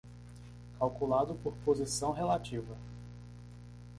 Calculado por posição relativa